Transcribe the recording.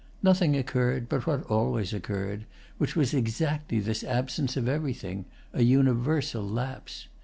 Nothing occurred but what always occurred, which was exactly this absence of everything—a universal lapse.